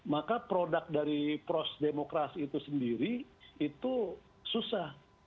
maka produk dari pros demokrasi itu sendiri itu susah